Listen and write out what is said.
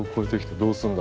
どうすんだ？